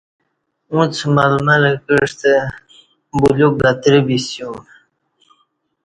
اُݩڅ ململہ کعستہ بلیوک گترہ بِسیوم